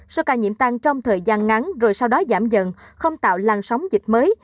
số ca nhiễm tăng trong thời gian ngắn rồi sau đó giảm dần không tạo làn sóng dịch mới